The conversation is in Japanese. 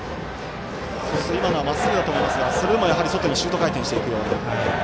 それと今のはまっすぐだと思いますがそれでも外にシュート回転していくような。